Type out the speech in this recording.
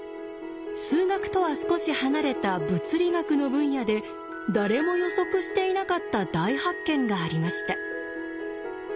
数学とは少し離れた物理学の分野で誰も予測していなかった大発見がありました。